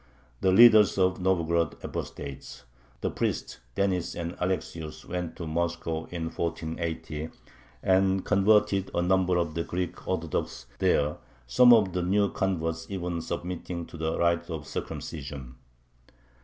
The leaders of the Novgorod apostates, the priests Denis and Alexius, went to Moscow in 1480, and converted a number of the Greek Orthodox there, some of the new converts even submitting to the rite of circumcision.